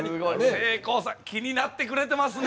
せいこうさん気になってくれてますね。